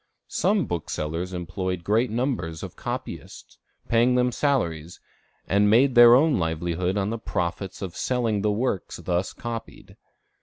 Some booksellers employed great numbers of copyists, paying them salaries, and made their own livelihood on the profits of selling the works thus copied.